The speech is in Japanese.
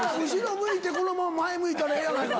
向いてこのまま前向いたらええやないか。